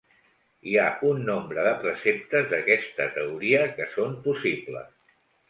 Hi ha un nombre de preceptes d'aquesta teoria que són possibles.